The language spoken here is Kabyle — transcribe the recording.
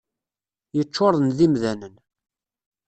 Yeččuren d imdanen.